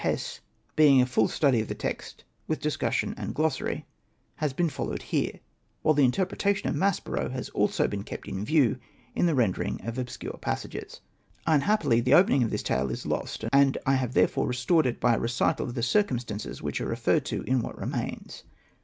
Hess" — being a full study of the text with discus sion and glossary, has been followed here ; while the interpretation of Maspero has also been kept in view in the rendering of obscure passages. Unhappily the opening of this tale is lost, and I have therefore restored it by a recital of the circumstances which are referred to in what remains.